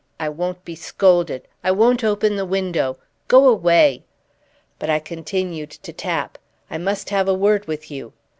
I won't be scolded! I won't open the window! Go away!" But I continued to tap. "I must have a word with you!"